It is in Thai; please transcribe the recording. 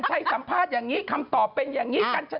บ้าสิได้อย่างไรเธอปล่อยให้เขา